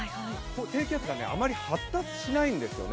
低気圧があまり発達しないんですよね。